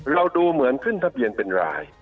เราก็ดูเหมือนขึ้นทับเยียนเป็นราย